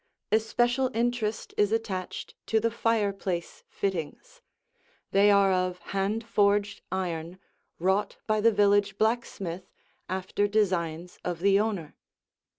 Especial interest is attached to the fireplace fittings; they are of hand forged iron, wrought by the village blacksmith after designs of the owner.